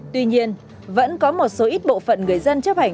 tuy nhiên vẫn có một số ít bộ phận người dân chấp hỏi về các quy định